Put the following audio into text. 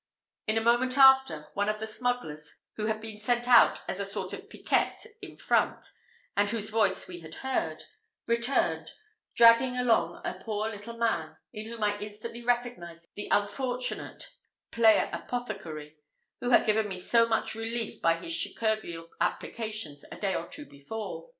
In a moment after, one of the smugglers, who had been sent out as a sort of piquette in front, and whose voice we had heard, returned, dragging along a poor little man, in whom I instantly recognised the unfortunate player apothecary, who had given me so much relief by his chirurgical applications a day or two before.